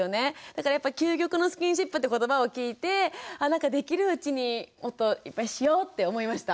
だからやっぱ究極のスキンシップって言葉を聞いてなんかできるうちにもっといっぱいしようって思いました。